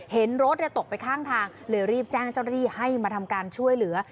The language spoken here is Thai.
เห็นรถตกไปข้างทางเลยรีบแจ้งเจ้าหน้าที่ให้มาทำการช่วยเหลือ